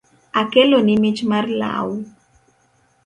Akeloni mich mar lau.